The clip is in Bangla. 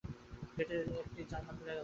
গেটের একটা জানােলা খুলে গেল!